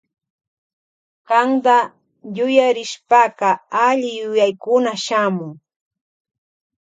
Kanta yuyarishpaka alli yuyaykuna shamun.